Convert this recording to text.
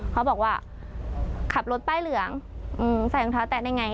เขาบอกว่าขับรถป้ายเหลืองใส่รองเท้าแตะได้ไง